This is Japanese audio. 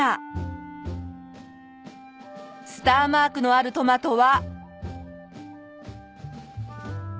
スターマークのあるトマトは。